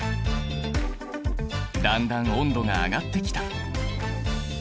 だんだん温度が上がってきた。